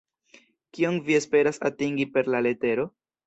Kion vi esperas atingi per la letero?